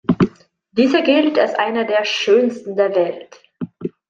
Dieser gilt als einer der schönsten der Welt.